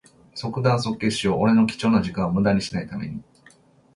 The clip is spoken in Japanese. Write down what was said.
即断即決しよう。俺の貴重な時間をむだにしない為に。